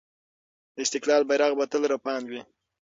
د استقلال بیرغ به تل رپاند وي.